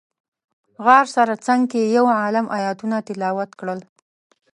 غار سره څنګ کې یو عالم ایتونه تلاوت کړل.